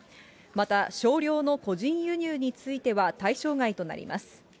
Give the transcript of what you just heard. また、少量の個人輸入については対象外となります。